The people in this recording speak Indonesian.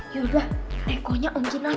yaudah teko nya om jin ambil